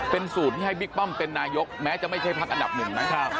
เป็นสูตรที่ให้บิ๊กป้อมเป็นนายกแม้จะไม่ใช่พักอันดับหนึ่งนะครับ